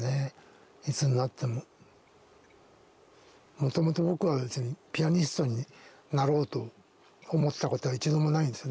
もともと僕は別にピアニストになろうと思ったことは一度もないんですよね